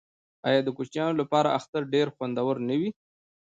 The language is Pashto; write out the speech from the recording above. آیا د کوچنیانو لپاره اختر ډیر خوندور نه وي؟